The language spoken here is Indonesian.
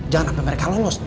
jangan sampai mereka lolos